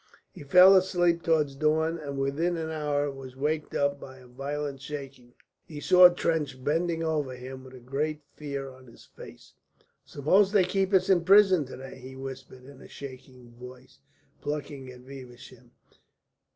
He fell asleep towards dawn, and within an hour was waked up by a violent shaking. He saw Trench bending over him with a great fear on his face. "Suppose they keep us in the prison to day," he whispered in a shaking voice, plucking at Feversham.